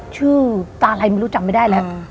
ชื่อตาอะไรไม่รู้จำไม่ได้แหละ